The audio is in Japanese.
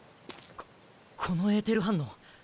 ここのエーテル反応。